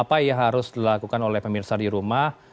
apa yang harus dilakukan oleh pemirsa di rumah